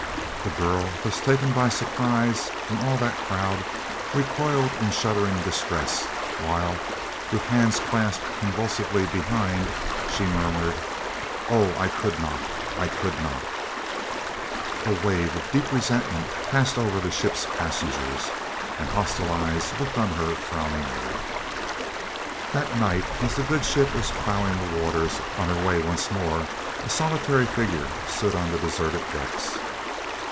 The girl, thus taken by surprise in all that crowd, recoiled in shuddering distress, while, with hands clasped convulsively behind, she murmured: "Oh, I could not I could not!" A wave of deep resentment passed over the ship's passengers, and hostile eyes looked on her frowningly. That night, as the good ship was ploughing the waters on her way once more, a solitary figure stood on the deserted decks.